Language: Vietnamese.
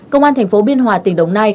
công an thành phố biên hòa tỉnh đồng nai